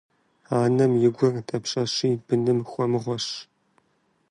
Анэм и гур дапщэщи быным хуэмыгъуэщ.